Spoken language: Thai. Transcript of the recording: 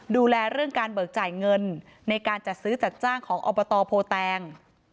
ดูแลเรื่องการเบิกจ่ายเงินในการจัดซื้อจัดจ้างของอบตโพแตง